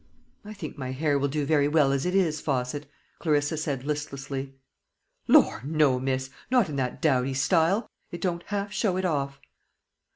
"I think my hair will do very well as it is, Fosset," Clarissa said listlessly. "Lor, no, miss; not in that dowdy style. It don't half show it off."